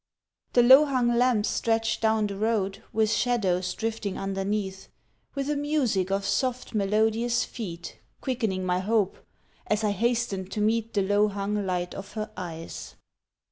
The low hung lamps stretched down the road With shadows drifting underneath, With a music of soft, melodious feet Quickening my hope as I hastened to meet The low hung light of her eyes.